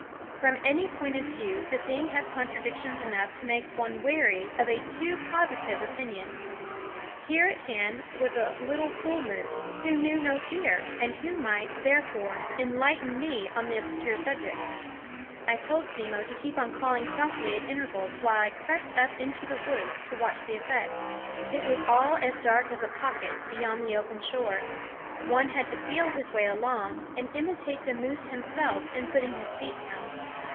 From any point of view the thing has contradictions enough to make one wary of a too positive opinion. Here at hand was a "lil fool moose" who knew no fear, and who might, therefore, enlighten me on the obscure subject. I told Simmo to keep on calling softly at intervals while I crept up into the woods to watch the effect. It was all as dark as a pocket beyond the open shore. One had to feel his way along, and imitate the moose himself in putting his feet down.